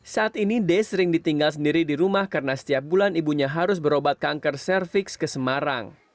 saat ini d sering ditinggal sendiri di rumah karena setiap bulan ibunya harus berobat kanker cervix ke semarang